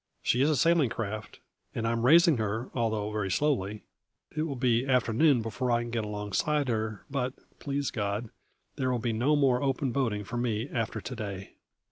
She is a sailing craft and I am raising her, although very slowly. It will be afternoon before I can get alongside her, but, please God, there will be no more open boating for me after to day."